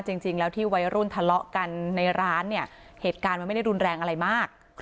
จริงแล้วที่วัยรุ่นทะเลาะกันในร้านเนี่ยเหตุการณ์มันไม่ได้รุนแรงอะไรมาก